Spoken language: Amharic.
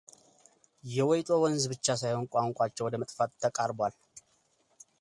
የወይጦ ወንዝ ብቻ ሳይሆን ቋንቋቸው ወደ መጥፋት ተቃርቧል።